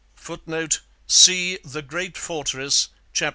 [Footnote: See The Great Fortress, chap.